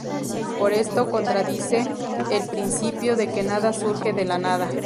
Pero esto contradice el principio de que nada surge de la nada.